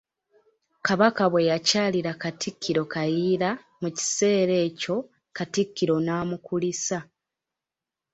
Kabaka bwe yakyalira Katikkiro Kayiira, mu kiseera ekyo, Katikkiro n'amukulisa.